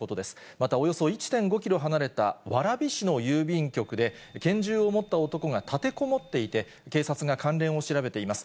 また、およそ１．５キロ離れた蕨市の郵便局で、拳銃を持った男が立てこもっていて、警察が関連を調べています。